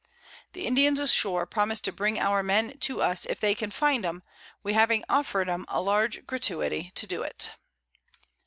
The Indians ashore promise to bring our Men to us, if they can find 'em, we having offer'd 'em a large Gratuity to do it.